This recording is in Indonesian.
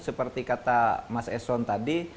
seperti kata mas eson tadi